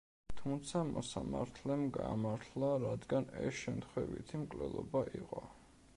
თუმცა მოსამართლემ გაამართლა, რადგან ეს შემთხვევითი მკვლელობა იყო.